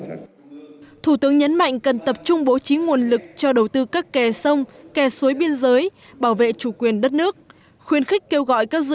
áp dụng nhanh tập trung bổ trí nguồn lực cho đầu tư các kè sông kè suối biên giới bảo vệ chủ quyền đất nước